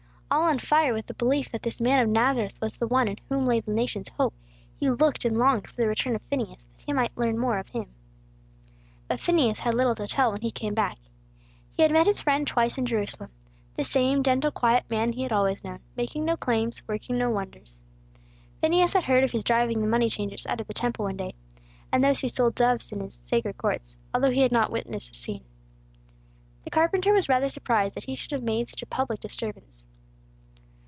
All on fire with the belief that this man of Nazareth was the one in whom lay the nation's hope, he looked and longed for the return of Phineas, that he might learn more of Him. But Phineas had little to tell when he came back. He had met his friend twice in Jerusalem, the same gentle quiet man he had always known, making no claims, working no wonders. Phineas had heard of His driving the moneychangers out of the Temple one day, and those who sold doves in its sacred courts, although he had not witnessed the scene. The carpenter was rather surprised that He should have made such a public disturbance.